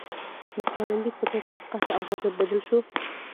د کارنګي فطرت پر قهر او غضب بدل شو